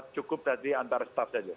cukup tadi antar staff saja